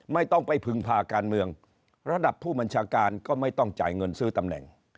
ไม่ต้องไปพึงพาการเมืองระดับผู้บัญชาการก็ไม่ต้องจ่ายเงินซื้อตำแหน่ง